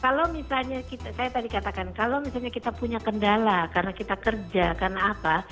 kalau misalnya saya tadi katakan kalau misalnya kita punya kendala karena kita kerja karena apa